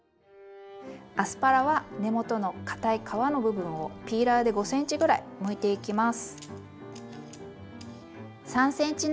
アスパラは根元のかたい皮の部分をピーラーで５ｃｍぐらいむいていきます。